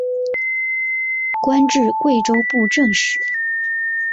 官至贵州布政使。